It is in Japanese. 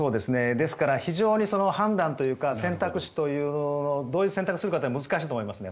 ですから、非常に判断というか選択肢というどういう選択をするかは難しいと思いますね